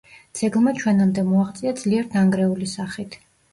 ძეგლმა ჩვენამდე მოაღწია ძლიერ დანგრეული სახით.